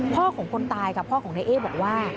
พ่อของคนตายกับพ่อของนายเอ๊บอกว่า